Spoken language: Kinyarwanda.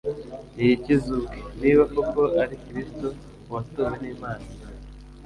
"Niyikize ubwe, niba koko ari Kristo uwatowe n'Imana"!